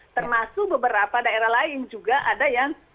termasuk beberapa daerah lain juga ada yang